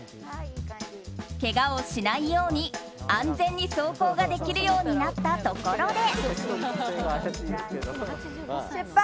けがをしないように安全に走行ができるようになったところで。